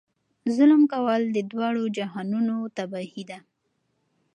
ظلم کول د دواړو جهانونو تباهي ده.